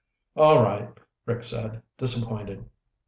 "All right," Rick said, disappointed.